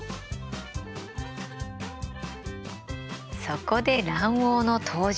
そこで卵黄の登場。